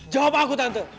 jawab aku tante